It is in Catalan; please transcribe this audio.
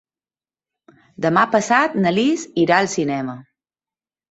Demà passat na Lis irà al cinema.